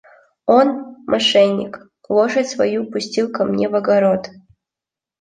Он, мошенник, лошадь свою пустил ко мне в огород.